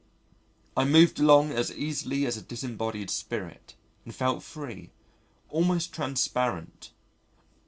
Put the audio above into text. I moved along as easily as a disembodied spirit and felt free, almost transparent.